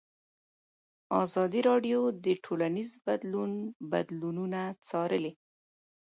ازادي راډیو د ټولنیز بدلون بدلونونه څارلي.